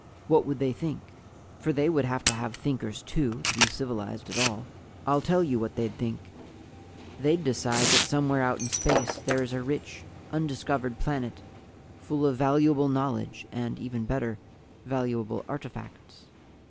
What would they Think? for they would have to have Thinkers too, to be civilized at all. "I'll tell you what they'd Think. They'd decide that somewhere out in space there is a rich, undiscovered planet full of valuable knowledge and, even better, valuable artifacts.